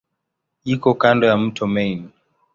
Iko kando ya mto Main.